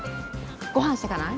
ごはんしてかない？